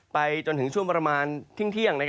ไปจนถึงช่วงประมาณเที่ยง